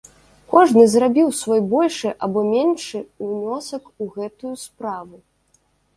Кожны зрабіў свой большы або меншы ўнёсак у гэтую справу.